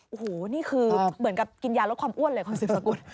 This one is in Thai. โอ้โหนี่คือเหมือนกับกินยาลดความอ้วนเลยคุณสืบสกุล